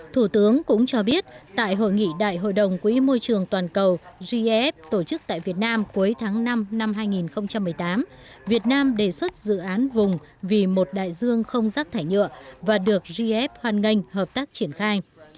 thủ tướng cũng cho biết tại hội nghị đại hội đồng quỹ môi trường toàn cầu gif tổ chức tại việt nam cuối tháng năm năm hai nghìn một mươi tám việt nam đề xuất dự án vùng vì một đại dương không rác thải nhựa và được gf hoan nghênh hợp tác triển khai